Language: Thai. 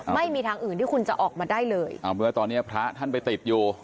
ไม่มีทางอื่นที่คุณจะออกมาได้เลยอ่าเมื่อตอนเนี้ยพระท่านไปติดอยู่